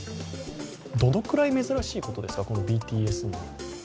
どのくらい珍しいことですか、このＢＴＳ。